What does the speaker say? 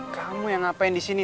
kamu yang ngapain disini